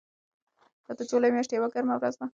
دا د جولای میاشتې یوه ګرمه ورځ وه.